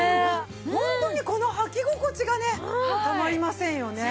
ホントにこの履き心地がねたまりませんよね。